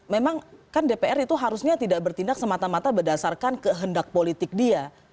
memang kan dpr itu harusnya tidak bertindak semata mata berdasarkan kehendak politik dia